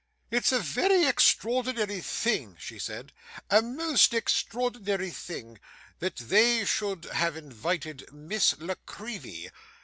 'It's a very extraordinary thing,' she said, 'a most extraordinary thing, that they should have invited Miss La Creevy.